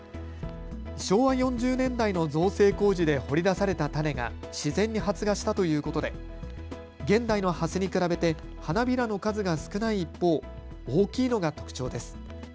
昭和４０年代の造成工事で掘り出された種が自然に発芽したということで現代のハスに比べて花びらの数が少ない一方、大きいのが特徴です。